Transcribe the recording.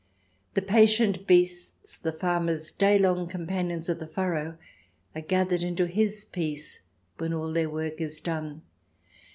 The patient beasts, the farmer's daylong companions of the furrow, are gathered into his peace when all their work is done.